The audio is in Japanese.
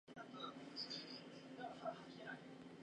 人の家に忍び込んでいるような気がしたから